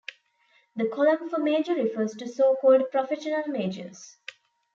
The column for Major refers to so-called "Professional Majors".